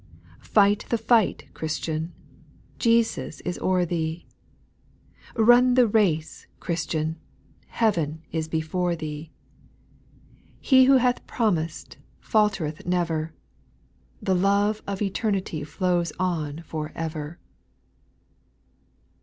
3. Fight the fight. Christian, Jesus is o'er thee ; Hun the race. Christian, heaven is before thee ; SPIRITUAL SON 08, 97 He who hath promised faltereth never ; The love of eternity flows on for ever.